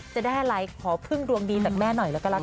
จะได้อะไรขอพึ่งดวงดีจากแม่หน่อยแล้วก็ละกัน